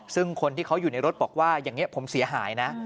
ซึ่งคนที่เขาอยู่ในรถบอกว่าอย่างนี้ผมเสียหายนะ